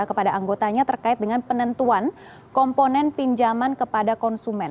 kepada anggotanya terkait dengan penentuan komponen pinjaman kepada konsumen